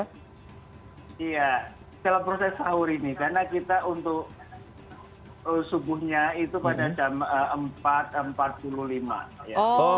iya dalam proses sahur ini karena kita untuk subuhnya itu pada jam empat empat puluh lima ya